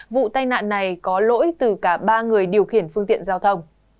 vụ tai nạn này có lỗi từ cả ba người điều khiển phương tiện giao thông